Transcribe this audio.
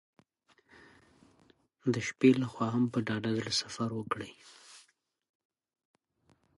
د شپې له خوا هم په ډاډه زړه سفر وکړئ.